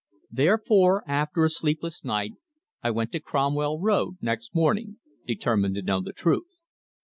Therefore, after a sleepless night, I went to Cromwell Road next morning, determined to know the truth.